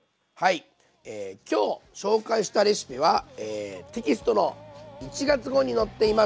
今日紹介したレシピはテキストの１月号に載っています。